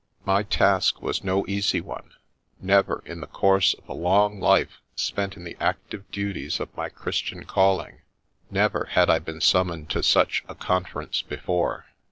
My task was no easy one ; never, in the course of a long life spent in the active duties of my Christian calling, — never had I been summoned to such a conference before.